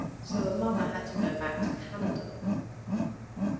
So her mother had to go back to Canada."